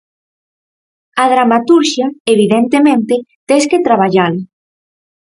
A dramaturxia, evidentemente, tes que traballala.